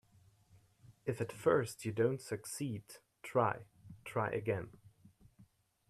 If at first you don't succeed, try, try again.